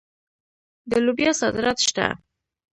د لوبیا صادرات شته.